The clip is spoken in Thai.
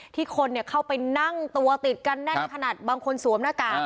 ที่คนเข้าไปนั่งตัวติดกันแน่นขนาดบางคนสวมหน้ากาก